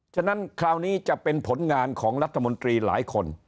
ฉะนั้นคราวนี้จะเป็นผลงานของรัฐมนตรีหลายคน